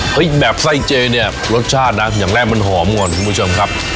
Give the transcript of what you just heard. แบบไส้เจเนี่ยรสชาตินะอย่างแรกมันหอมก่อนคุณผู้ชมครับ